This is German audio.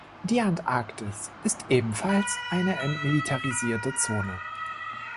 Die Antarktis ist ebenfalls eine entmilitarisierte Zone.